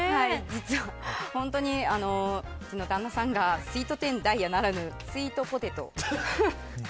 実は、本当にうちの旦那さんがスイート１０ダイヤならぬスイートポテトを。